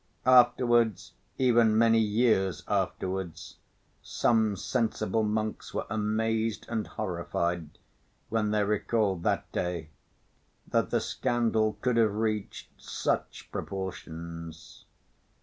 Afterwards, even many years afterwards, some sensible monks were amazed and horrified, when they recalled that day, that the scandal could have reached such proportions.